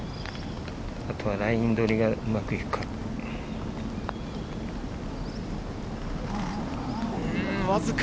あとはライン取りがうまくいくか。